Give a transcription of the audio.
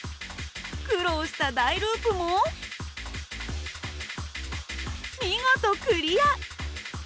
苦労した大ループも見事クリア。